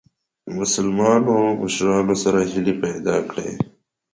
مسلمانو مشرانو سره هیلي پیدا کړې.